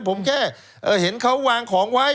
ผมแค่เห็นเขาวางของไว้